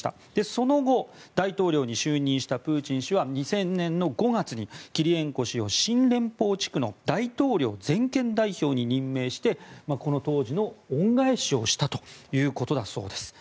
その後、大統領に就任したプーチン氏は２０００年の５月にキリレンコ氏を新連邦地区の大統領全権代表に任命してこの当時の恩返しをしたということだそうです。